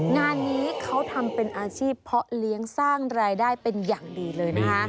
งานนี้เขาทำเป็นอาชีพเพาะเลี้ยงสร้างรายได้เป็นอย่างดีเลยนะคะ